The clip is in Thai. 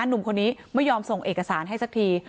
หนุ่มคนนี้ไม่ยอมส่งเอกสารให้สักที